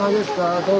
どうぞ。